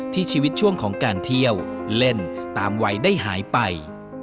ชีวิตช่วงของการเที่ยวเล่นตามวัยได้หายไป